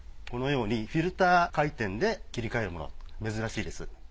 このようにフィルター回転で切り替えるもの珍しいです。